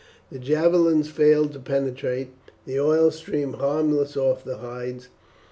The javelins failed to penetrate, the oil streamed harmless off the hides.